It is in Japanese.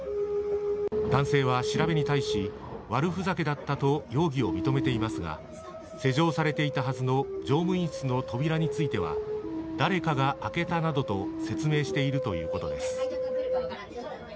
男性は調べに対し、悪ふざけだったと容疑を認めていますが、施錠されていたはずの乗務員室の扉については、誰かが開けたなどと説明しているということです。